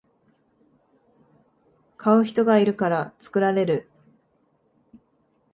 買う人がいるから作られる